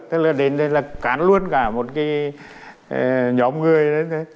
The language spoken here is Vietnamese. tức là đến đây là cán luôn cả một cái nhóm người